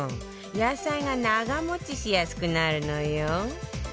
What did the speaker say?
野菜が長持ちしやすくなるのよ